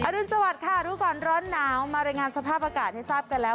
รุนสวัสดิค่ะรู้ก่อนร้อนหนาวมารายงานสภาพอากาศให้ทราบกันแล้ว